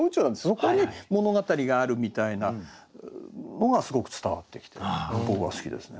そこに物語があるみたいなのがすごく伝わってきて僕は好きですね。